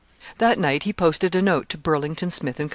That night he posted a note to Burlington, Smith, and Co.